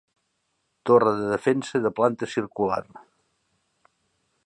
Torre de defensa de planta circular.